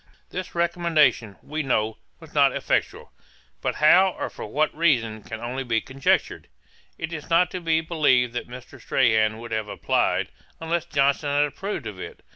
This recommendation, we know, was not effectual; but how, or for what reason, can only be conjectured. It is not to be believed that Mr. Strahan would have applied, unless Johnson had approved of it.